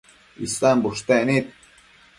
Isan bushtec nid